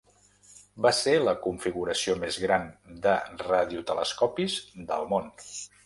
Va ser la configuració més gran de radiotelescopis del món.